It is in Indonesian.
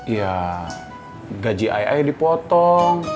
iya gaji ai ai dipotong